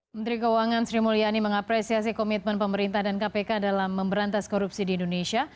menteri keuangan sri mulyani mengapresiasi komitmen pemerintah dan kpk dalam memberantas korupsi di indonesia